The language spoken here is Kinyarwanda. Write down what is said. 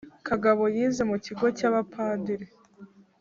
kagabo yize mu kigo cya abapadiri